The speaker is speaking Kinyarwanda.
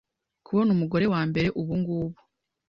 Kubona Umugore wambere ubungubu